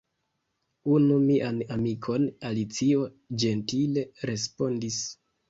"Unu mian amikon," Alicio ĝentile respondis. "